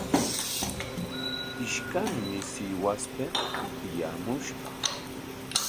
Ishkanmi Sihuaspik kutiyaamushqa.